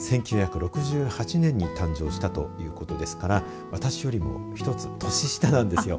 １９６８年に誕生したということですから私よりも１つ年下なんですよ。